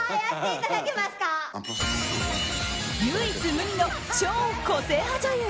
唯一無二の超個性派女優